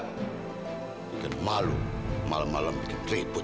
bikin malu malem malem bikin ribut